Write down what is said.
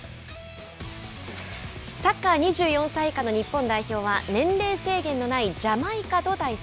サッカー２４歳以下の日本代表は年齢制限のないジャマイカと対戦。